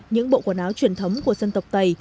những bộ quần áo truyền thống của dân tộc tây